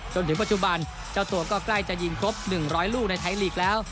จนถึงปัจจุบันเจ้าตัวก็ใกล้จะยิงครบ๑๐๐ลูกในไทยลีกแล้ว